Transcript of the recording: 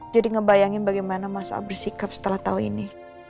jadi ngebayangin bagaimana masalah bersikap setelah tau ini